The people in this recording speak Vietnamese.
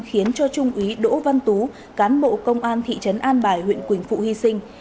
khiến cho trung úy đỗ văn tú cán bộ công an thị trấn an bài huyện quỳnh phụ hy sinh